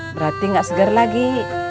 berarti gak seger lagi